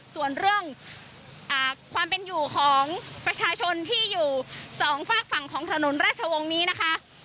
ส่วนเรื่องความเป็นอยู่ของประชาชนที่อยู่สองฝากฝั่งของถนนราชวงศ์นี้นะคะ